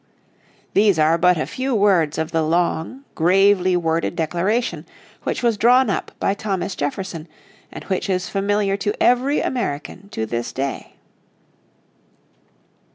These are but a few words of the long, gravely worded declaration which was drawn up by Thomas Jefferson, and which is familiar to every American to this day.